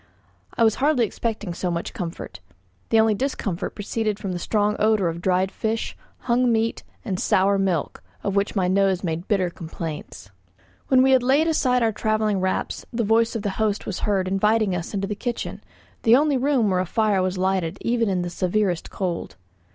I was hardly expecting so much comfort; the only discomfort proceeded from the strong odour of dried fish, hung meat, and sour milk, of which my nose made bitter complaints. When we had laid aside our travelling wraps the voice of the host was heard inviting us to the kitchen, the only room where a fire was lighted even in the severest cold.